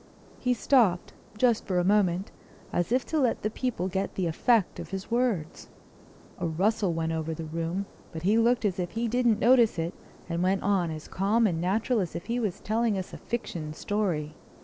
He stopped—just for a moment—as if to let the people get the effect of his words. A rustle went over the room, but he looked as if he didn't notice it and went on as calm and natural as if he was telling us a fiction story.